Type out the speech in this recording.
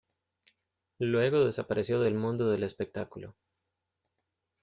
Luego desapareció del mundo del espectáculo.